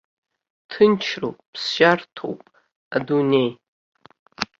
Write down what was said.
Ҭынчроуп, ԥсшьарҭоуп адунеи.